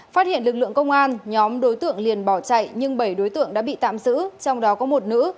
phát hiện lực lượng công an nhóm đối tượng liền bỏ chạy nhưng bảy đối tượng đã bị tạm giữ trong đó có một nữ